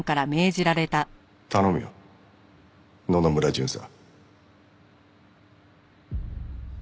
頼むよ野々村巡査。